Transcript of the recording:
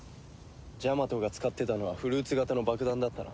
ジャマトが使ってたのはフルーツ形の爆弾だったな。